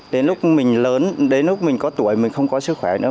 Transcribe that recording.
đến lúc mình lớn đến lúc mình có tuổi mình không có sức khỏe nữa